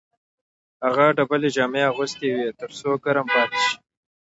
هغه ډبلې جامې اغوستې وې تر څو ګرم پاتې شي